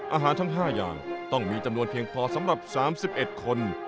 อาหารทั้ง๕อย่างต้องมีจำนวนเพียงพอสำหรับ๓๑คน